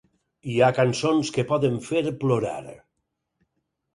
Hi ha cançons que poden fer plorar.